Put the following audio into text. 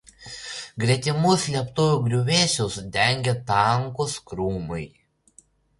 Gretimų slėptuvių griuvėsius dengia tankūs krūmai.